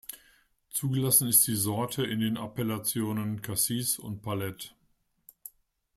Zugelassen ist die Sorte in den Appellationen Cassis und Palette.